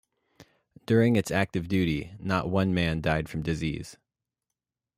During its active duty, not one man died from disease.